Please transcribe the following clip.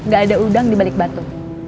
gak ada udang dibalik batu